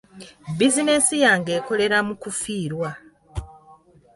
Bizinensi yange ekolera mu kufiirwa.